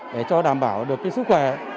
để đảm bảo sức khỏe